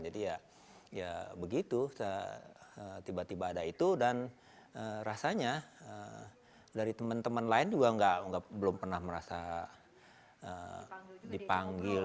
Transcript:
jadi ya begitu tiba tiba ada itu dan rasanya dari teman teman lain juga belum pernah merasa dipanggil